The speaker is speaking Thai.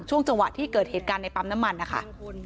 ช่วงจังหวะที่เกิดเหตุการณ์ในปั๊มน้ำมันนะคะ